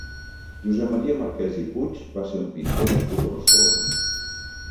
Josep Maria Marquès i Puig va ser un pintor nascut a Barcelona.